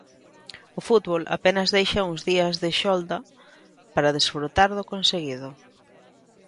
O fútbol apenas deixa uns días de xolda para desfrutar do conseguido.